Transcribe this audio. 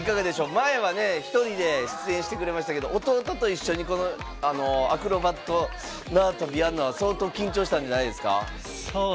前は、１人で出演してくれましたけど弟と一緒にアクロバットなわとびやるのは相当緊張したんじゃないですか？